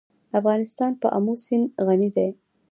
افغانستان په آمو سیند غني دی.